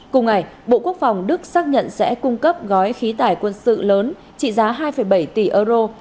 cùng ngày bộ quốc phòng đức xác nhận sẽ cung cấp gói khí tải quân sự lớn trị giá hai bảy tỷ euro